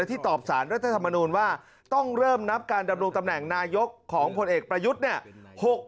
ที่ตอบสารรัฐธรรมนูญว่าต้องเริ่มนับการดำรงตำแหน่งนายกของพลเอกประยุทธ์เนี่ย